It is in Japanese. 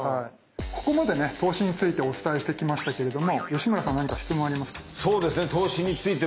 ここまでね投資についてお伝えしてきましたけれども吉村さん何か質問ありますか？